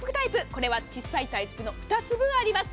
これは小さいタイプの２つ分あります。